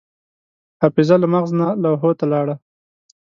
حافظه له مغز نه لوحو ته لاړه.